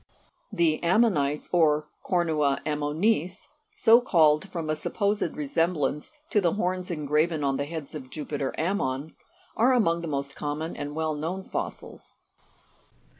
51 The Ammonites, (Jig. 62), or Co'rnua Ammonis so called from a sup posed resemblance to the horns engraven on the heads of Jupiter Ammon are among the most common and well known fossils.